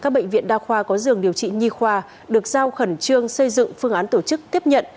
các bệnh viện đa khoa có giường điều trị nhi khoa được giao khẩn trương xây dựng phương án tổ chức tiếp nhận